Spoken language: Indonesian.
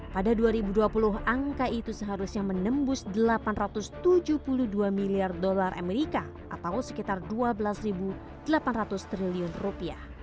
pada dua ribu dua puluh angka itu seharusnya menembus delapan ratus tujuh puluh dua miliar dolar amerika atau sekitar dua belas delapan ratus triliun rupiah